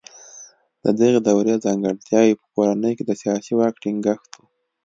د دغې دورې ځانګړتیاوې په کورنۍ کې د سیاسي واک ټینګښت و.